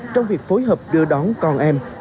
trong việc phối hợp đưa đón con